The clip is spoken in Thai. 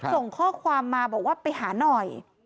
ส่งข้อความมาบอกว่าไปหาหน่อย